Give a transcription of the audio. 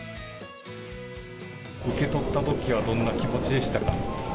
受け取ったときはどんな気持ちでしたか？